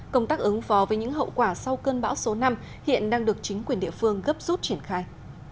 công tác ứng phó với những hậu quả sau cơn bão số năm hiện đang được chính quyền địa phương gấp rút triển khai